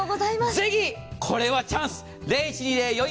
ぜひこれはチャンス。